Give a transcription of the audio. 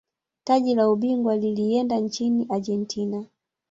taji la ubingwa lilieenda nchini argentina